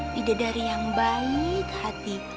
pidadari yang baik hati